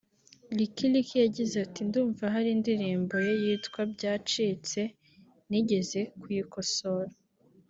Lick Lick yagize ati “Ndumva hari indirimbo ye yitwa “Byacitse” nigeze kuyikosora